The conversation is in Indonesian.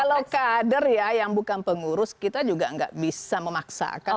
kalau kader ya yang bukan pengurus kita juga nggak bisa memaksakan